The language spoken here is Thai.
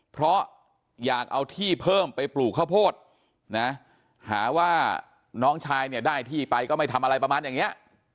เพราะอยากเอาที่เพิ่มไปปลูกข้าวโพดนะหาว่าน้องชายเนี่ยได้ที่ไปก็ไม่ทำอะไรประมาณอย่างนี้